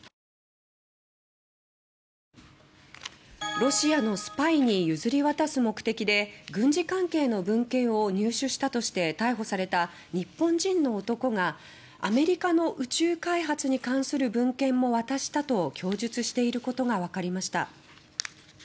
ロシアのスパイに譲り渡す目的で軍事関係の文献を入手したとして逮捕された日本人の男が「アメリカの宇宙開発に関する文献も渡した」と供述していることが分かりました。